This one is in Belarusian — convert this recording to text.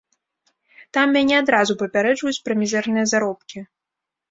Там мяне адразу папярэджваюць пра мізэрныя заробкі.